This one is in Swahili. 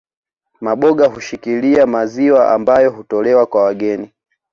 Maboga hushikilia maziwa ambayo hutolewa kwa wageni